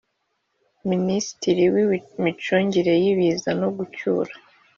Minisitiri w Imicungire y Ibiza no Gucyura